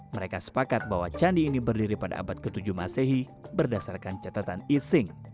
mereka sepakat bahwa candi ini berdiri pada abad ke tujuh masehi berdasarkan catatan ising